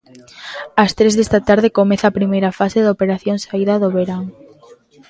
Ás tres desta tarde comeza a primeira fase da operación saída do verán.